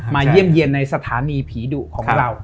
เยี่ยมเยี่ยมในสถานีผีดุของเรา